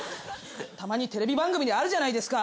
たまにテレビ番組であるじゃないですか。